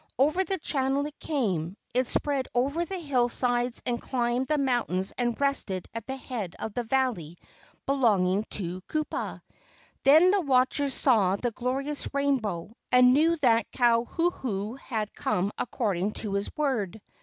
Over the channel it came. It spread over the hillsides and climbed the mountains and rested at the head of the valley belonging to Kupa. Then the watchers saw the glorious rainbow and knew that Kauhuhu had come according to his word.